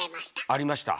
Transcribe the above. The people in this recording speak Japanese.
ありました。